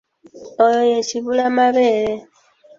Oyo ye kibulamabeere.